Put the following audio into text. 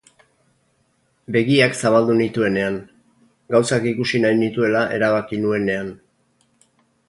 Begiak zabaldu nituenean, gauzak ikusi nahi nituela erabaki nuenean.